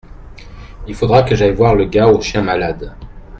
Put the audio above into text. Il faudra que j’aille voir le gars au chien malade.